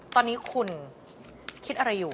ตอนนี้คุณคิดอะไรอยู่